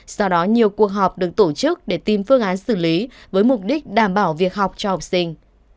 sau đó nhiều cuộc họp được tổ chức để tìm phương án xử lý với mục đích đảm bảo việc học cho học sinh